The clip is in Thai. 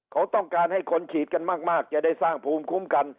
เขาต้องการให้คนฉีดกันมากจะได้สร้างภูมิคุ้มกัน